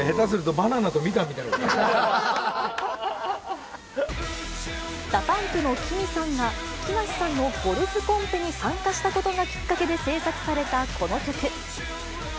これ、ＤＡＰＵＭＰのキミさんが、木梨さんのゴルフコンペに参加したことがきっかけで制作されたこの曲。